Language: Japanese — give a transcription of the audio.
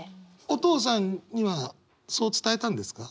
お父さんにはそう伝えたんですか？